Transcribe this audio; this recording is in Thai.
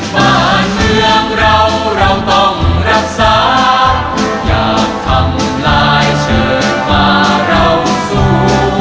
บ้านเมืองเราเราต้องรักษาอยากทำลายเชิญมาเราสู้